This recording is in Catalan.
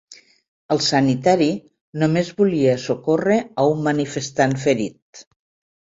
El sanitari només volia socórrer a un manifestant ferit.